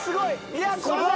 いやこれだ。